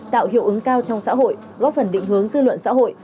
tạo hiệu ứng cao trong xã hội góp phần định hướng dư luận xã hội